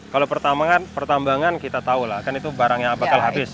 kalau pertama kan pertambangan kita tahu lah kan itu barangnya bakal habis